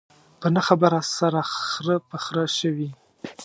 په نه خبره سره خره په خره شوي.